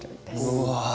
うわ。